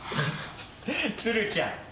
鶴ちゃん。